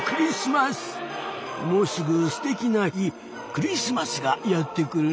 もうすぐすてきな日クリスマスがやってくるね。